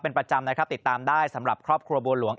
เป็นประจำนะครับติดตามได้สำหรับครอบครัวบัวหลวง